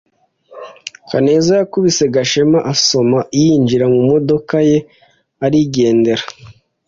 Kaneza yakubise Gashema asoma, yinjira mu modoka ye arigendera.